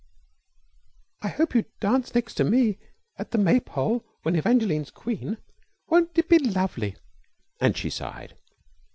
"I hope you dance next me at the Maypole when Evangeline's Queen. Won't it be lovely?" and she sighed.